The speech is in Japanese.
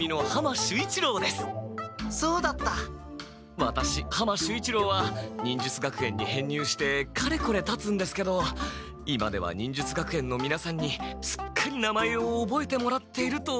ワタシ浜守一郎は忍術学園に編入してかれこれたつんですけど今では忍術学園のみなさんにすっかり名前をおぼえてもらっていると思っていたんですが。